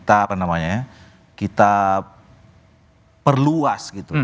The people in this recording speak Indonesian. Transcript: apa namanya ya kita perluas gitu